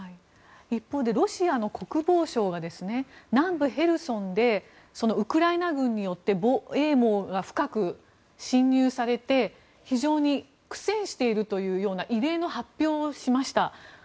一方でロシアの国防省が南部ヘルソンでウクライナ軍によって防衛網が深く侵入されて非常に苦戦しているというような異例の発表をしました。